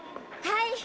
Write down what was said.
はい。